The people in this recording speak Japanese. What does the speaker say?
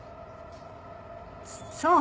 そう。